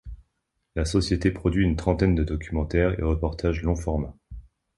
La société produit une trentaine de documentaires et reportages long formats.